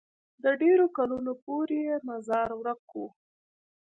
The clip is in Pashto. د ډېرو کلونو پورې یې مزار ورک وو.